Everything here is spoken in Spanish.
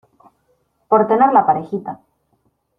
por tener la parejita.